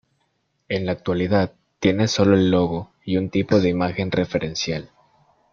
En la actualidad tiene solo el logo y un tipo de imagen referencial.